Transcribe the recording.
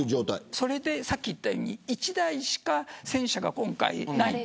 それで、さっき言ったように１台しか戦車が今回ない。